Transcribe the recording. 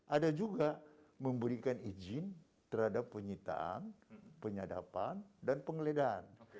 ada juga memberikan izin terhadap penyitaan penyadapan dan penggeledahan